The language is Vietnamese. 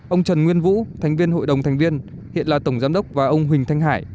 ông trần nguyên vũ thành viên hội đồng thành viên hiện là tổng giám đốc và ông huỳnh thanh hải